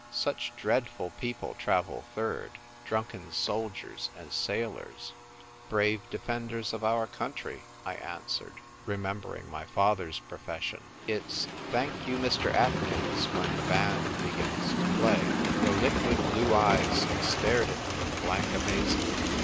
" Such dreadful people travel third — drunken soldiers and sailors !"" Brave defenders of our country !" I an swered, remembering my father's profession. " It's Thank you, Mr. Atkins, when the band bepfins to play." The liquid blue eyes stared at me in blank amazement.